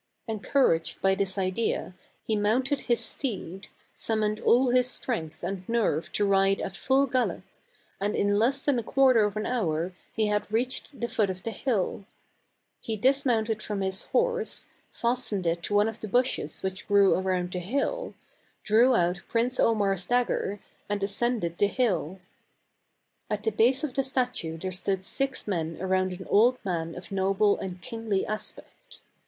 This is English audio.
Encouraged by this idea, he mounted his steed, summoned all his strength and nerve to ride at full gallop, and in less than a quarter of an hour he had reached the foot of the hill. He dis mounted from his horse, fastened it to one of the bushes which grew around the hill, drew out Prince Omar's dagger, and ascended the hill. At the base of the statue there stood six men around an old man of noble and kingly aspect.